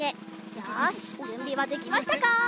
よしじゅんびはできましたか？